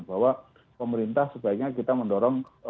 bahwa pemerintah sebaiknya kita mendorong